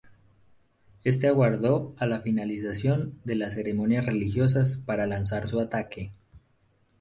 Este aguardó a la finalización de las ceremonias religiosas para lanzar su ataque.